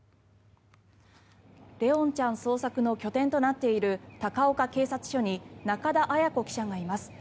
怜音ちゃん捜索の拠点となっている高岡警察署に中田絢子記者がいます。